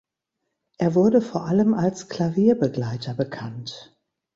Er wurde vor allem als Klavierbegleiter bekannt.